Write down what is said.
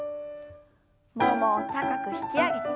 ももを高く引き上げて。